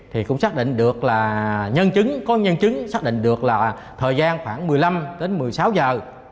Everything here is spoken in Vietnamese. thì cũng xác định được là nhân chứng có nhân chứng xác định được là thời gian khoảng một mươi năm đến một mươi sáu giờ